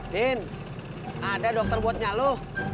din ada dokter buatnya lu